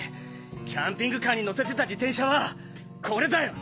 キャンピングカーに載せてた自転車はこれだよ！